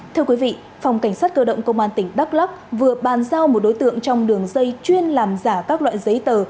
thưa quý vị phòng cảnh sát cơ động công an tỉnh đắk lắc vừa bàn giao một đối tượng trong đường dây chuyên làm giả các loại giấy tờ